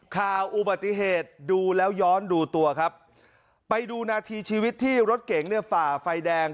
ข่าวอุบัติเหตุดูแล้วย้อนดูตัวครับไปดูนาทีชีวิตที่รถเก๋งเนี่ยฝ่าไฟแดง